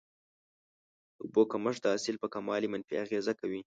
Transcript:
د اوبو کمښت د حاصل په کموالي منفي اغیزه کوي.